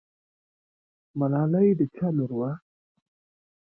ملالۍ د چا لور وه؟